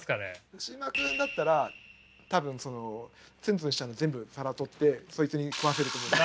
ウシジマくんだったら多分そのツンツンしたの全部皿取ってそいつに食わせると思うんです。